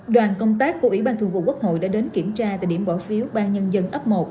đoàn công tác của ủy ban thường vụ quốc hội đã đến kiểm tra tại điểm bỏ phiếu ban nhân dân ấp một